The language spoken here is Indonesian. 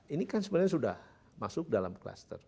ini kan sebenarnya sudah masuk dalam kluster